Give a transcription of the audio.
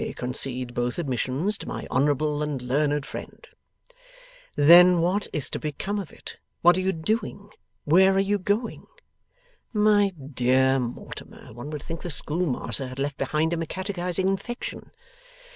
'I concede both admissions to my honourable and learned friend.' 'Then what is to come of it? What are you doing? Where are you going?' 'My dear Mortimer, one would think the schoolmaster had left behind him a catechizing infection.